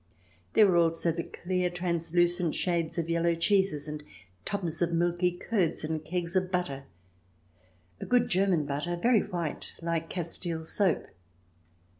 There were also the clear, translucent shades of yellow cheeses, and tubs of milky curds, and kegs of butter — good German butter, very white, like Castile soap.